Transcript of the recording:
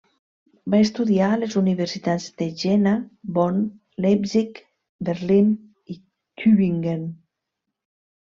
Va estudiar a les universitats de Jena, Bonn, Leipzig, Berlín, i Tübingen.